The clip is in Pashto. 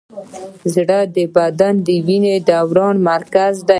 زړه د بدن د وینې د دوران مرکز دی.